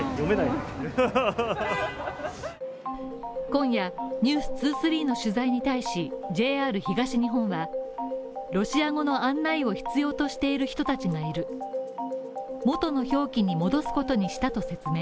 今夜「ｎｅｗｓ２３」の取材に対しＪＲ東日本は、ロシア語の案内を必要としている人たちがいる元の表記に戻すことにしたと説明。